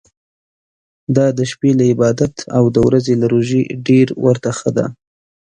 دا د شپې له عبادته او د ورځي له روژې ډېر ورته ښه ده.